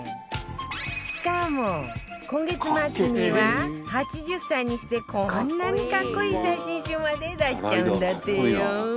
しかも今月末には８０歳にしてこんなに格好いい写真集まで出しちゃうんだってよ